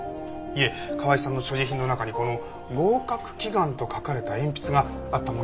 いえ川井さんの所持品の中にこの「合格祈願」と書かれた鉛筆があったものですから。